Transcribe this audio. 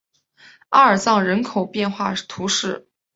阿尔藏人口变化图示